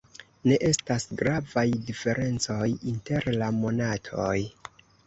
Ne estas gravaj diferencoj inter la monatoj.